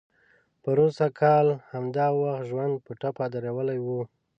پروسږ کال همدا وخت ژوند په ټپه درولی و.